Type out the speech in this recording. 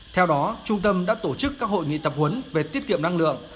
theo đó trung tâm đã tổ chức các hội nghị tập huấn về tiết kiệm năng lượng